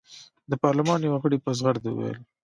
د پارلمان یوه غړي په زغرده وویل.